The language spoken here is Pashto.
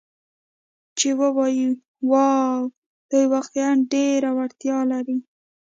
چې ووایي: 'واو، دوی واقعاً ډېرې وړتیاوې لري.